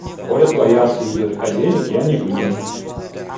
Воля твоя, сударь, а денег я не выдам».